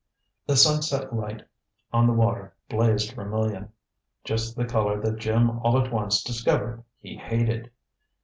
The sunset light on the water blazed vermilion just the color that Jim all at once discovered he hated.